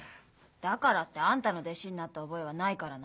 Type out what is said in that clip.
だからってあんたの弟子になった覚えはないからな。